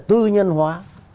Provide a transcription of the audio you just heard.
tư nhân hóa